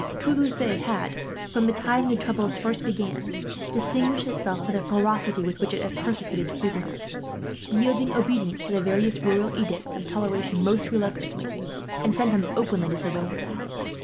Toulouse had, from the time the troubles first began, distinguished itself for the ferocity with which it had persecuted the Huguenots; yielding obedience to the various royal edicts of toleration most reluctantly, and sometimes openly disobeying them.